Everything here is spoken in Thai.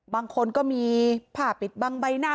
บางคนก็มีผ้าปิดบังใบหน้า